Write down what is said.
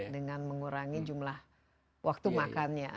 dengan mengurangi jumlah waktu makannya